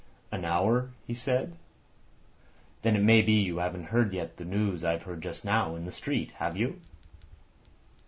"An hour," he said. "Then it may be you haven't heard yet the news I've heard just now—in the street. Have you?"